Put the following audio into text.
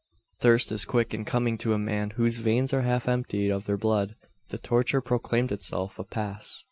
Thirst is quick in coming to a man whose veins are half emptied of their blood. The torture proclaimed itself apace.